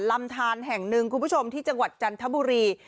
ลำทานแห่งหนึ่งคุณผู้ชมที่จังหวัดจันทบุรี